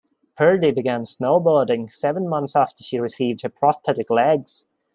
Purdy began snowboarding seven months after she received her prosthetic legs.